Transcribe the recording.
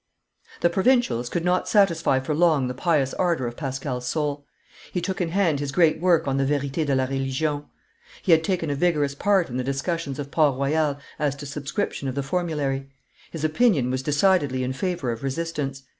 The provincials could not satisfy for long the pious ardor of Pascal's soul; he took in hand his great work on the Verite de la Religion. He had taken a vigorous part in the discussions of Port Royal as to subscription of the formulary: his opinion was decidedly in favor of resistance.